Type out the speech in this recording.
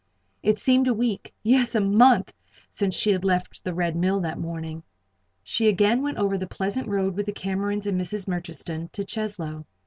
It seemed a week yes! a month since she had left the Red Mill that morning. She again went over the pleasant road with the Camerons and Mrs. Murchiston to Cheslow.